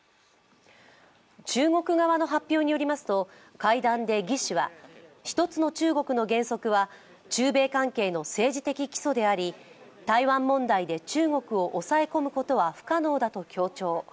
中国側の発表によりますと、会談で魏氏は一つの中国の原則は中米関係の政治的基礎であり台湾問題で中国を抑え込むことは不可能だと強調。